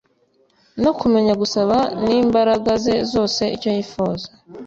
no kumenya gusaba n'imbaraga ze zose icyo yifuza